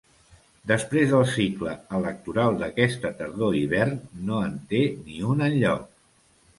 Després del cicle electoral d’aquesta tardor-hivern, no en té ni un enlloc.